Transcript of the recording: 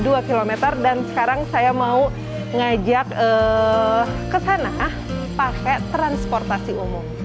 dan sekarang saya mau ngajak ke sana pakai transportasi umum